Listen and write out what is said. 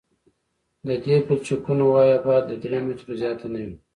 د دې پلچکونو وایه باید له درې مترو زیاته نه وي